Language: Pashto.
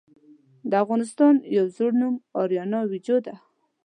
د افغانستان يو ﺯوړ نوم آريانا آويجو ده .